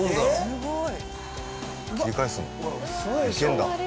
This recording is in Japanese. すごい！